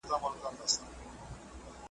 تر مطلبه یاري `